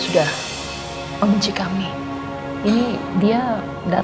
udah kayak gimana dulu